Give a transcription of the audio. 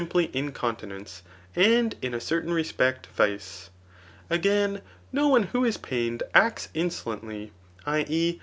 ^263 ply incontinence, and in a certain respect vice. Again, no one who is pained acts insolently [i. e.